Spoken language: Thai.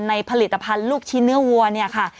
ผลิตภัณฑ์ลูกชิ้นเนื้อวัวเนี่ยค่ะ